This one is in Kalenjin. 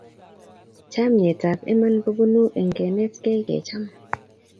Chamyetap iman kopunu eng kenetkei kecham